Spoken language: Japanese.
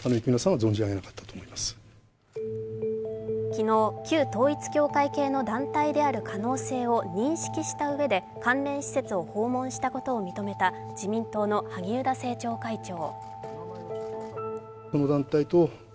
昨日、旧統一教会系の団体の可能性があることを認識したうえで関連施設を訪問したことを認めた自民党の萩生田政調会長。